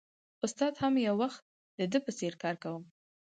استاد هم یو وخت د ده په څېر کار کاوه